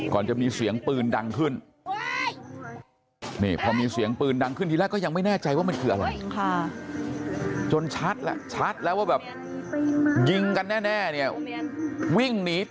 ก่อนจะมีเสียงปืนดังขึ้นนี่แรกก็ยังไม่แน่ใจว่ามันคืออะไร